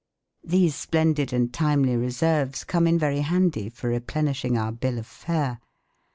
These splendid and timely reserves come in very handy for replenishing our bill of fare.